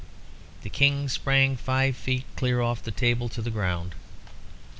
The King sprang five feet clear off the table on to the ground.